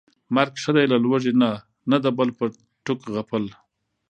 مرګ ښه دى له لوږې نه، نه د بل په ټوک غپل